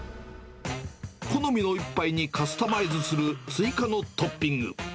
好みの一杯にカスタマイズする追加のトッピング。